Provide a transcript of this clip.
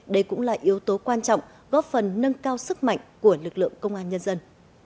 đây cũng là yếu tố quan trọng góp phần nâng cao sức mạnh của lực lượng công an nhân dân